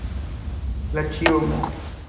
La ĉiomo.